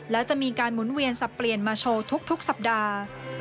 และจะมีการหมุนเวียนสับเปลี่ยนมาโชว์ทุกสัปดาห์